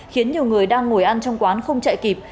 khiến nhiều người đang ngồi ăn trong quán không chạy kịp